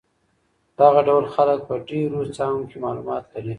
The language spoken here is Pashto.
دغه ډول خلک په ډېرو څانګو کې معلومات لري.